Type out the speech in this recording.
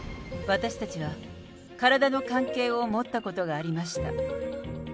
私たちは体の関係を持ったことがありました。